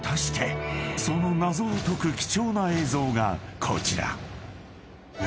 ［その謎を解く貴重な映像がこちら］